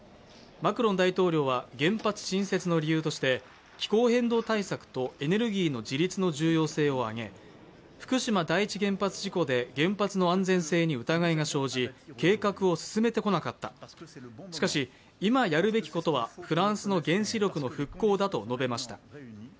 マクロン大統領は原発新設の理由として、気候変動対策とエネルギーの自立の重要性を挙げ、福島第一原発事故で原発の安全性に疑いが生じ、計画を進めてこなかったしかし、今やるべきことはフランスの原子力の復興だと述べました。